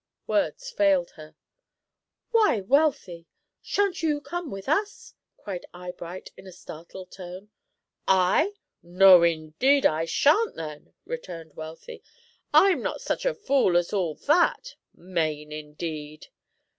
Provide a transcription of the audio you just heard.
Words failed her. "Why, Wealthy, shan't you come with us?" cried Eyebright, in a startled tone. "I? No, indeed, and I shan't then!" returned Wealthy. "I'm not such a fool as all that. Maine, indeed!"